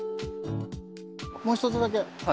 もう一つだけ。